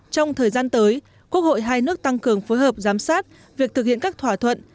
trong thời gian tới quốc hội hai nước tăng cường phối hợp giám sát việc thực hiện các thỏa thuận